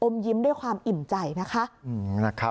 ยิ้มด้วยความอิ่มใจนะคะ